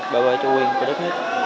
bảo vệ chủ quyền của đất nước